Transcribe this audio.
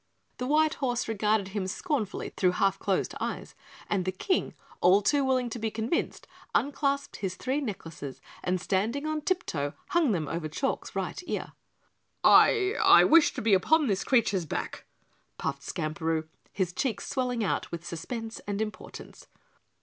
The white horse regarded him scornfully through half closed eyes, and the King, all too willing to be convinced, unclasped his three necklaces and, standing on tip toe, hung them over Chalk's right ear. "I I wish to be upon this creature's back," puffed Skamperoo, his cheeks swelling out with suspense and importance.